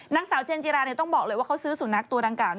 นางสาวเจนจิราต้องบอกเลยว่าเขาซื้อสุนัขตัวดังกล่าว